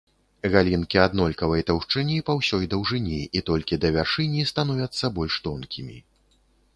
Галінкі аднолькавай таўшчыні па ўсёй даўжыні і толькі да вяршыні становяцца больш тонкімі.